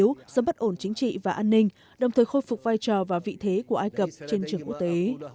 do bất ổn chính trị và an ninh đồng thời khôi phục vai trò và vị thế của ai cập trên trường quốc tế